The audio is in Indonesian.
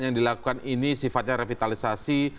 yang dilakukan ini sifatnya revitalisasi